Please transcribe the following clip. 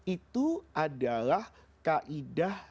itu adalah kaidah